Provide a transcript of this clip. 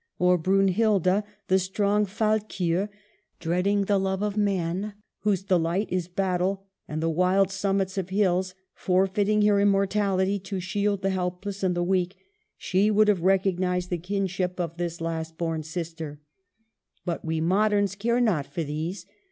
Or Brunhilda, the strong Valkyr, dread ing the love of man, whose delight is battle and the wild summits of hills, forfeiting her immor tality to shield the helpless and the weak ; she would have recognized the kinship of this last 1 'Biographical Notice.' C. Bronte. 'SHIRLEY? 289 born sister. But we moderns care not for these.